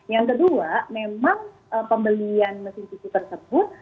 yang kedua memang pembelian mesin cuci tersebut